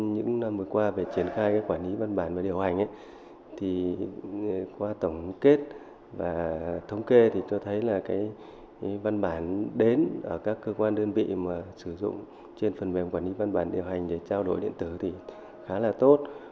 những năm vừa qua về triển khai cái quản lý văn bản và điều hành thì qua tổng kết và thống kê thì tôi thấy là cái văn bản đến ở các cơ quan đơn vị mà sử dụng trên phần mềm quản lý văn bản điều hành để trao đổi điện tử thì khá là tốt